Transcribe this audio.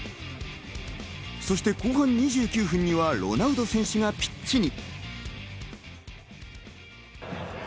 そして、後半２９分にはロナウド選手がピッチに。